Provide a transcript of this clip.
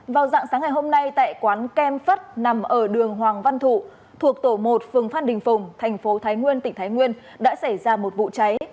vào dạng sáng ngày hôm nay tại quán kem phất nằm ở đường hoàng văn thụ thuộc tổ một phường phan đình phùng thành phố thái nguyên tỉnh thái nguyên đã xảy ra một vụ cháy